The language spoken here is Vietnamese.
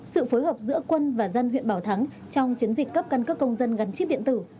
sự phối hợp giữa quân và dân huyện bảo thắng trong chiến dịch cấp căn cước công dân gắn chip điện tử